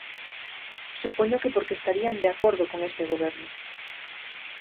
Supoño que porque estarían de acordo con ese goberno.